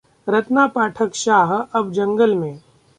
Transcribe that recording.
रत्ना पाठक शाह अब 'जंगल' में!